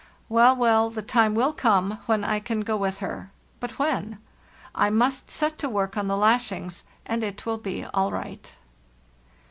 Well, well, the time will come when I can go with her; but when? [ must set to work on the lashings, and it will be all nght."